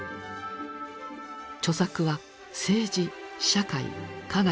著作は政治社会科学